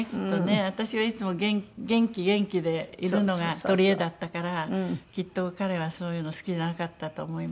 私はいつも元気元気でいるのが取りえだったからきっと彼はそういうの好きじゃなかったと思います。